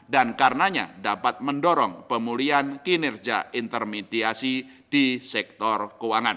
dan karenanya dapat mendorong pemulihan kinerja intermediasi di sektor keuangan